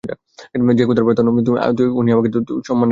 যেই খোদার প্রার্থনা তুই আমি করি, উনিই তোকে আমার সামনে পাঠিয়েছেন।